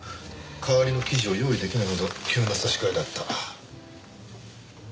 代わりの記事を用意できないほど急な差し替えだった。